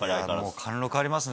貫禄ありますね。